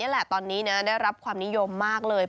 แหละตอนนี้นะได้รับความนิยมมากเลย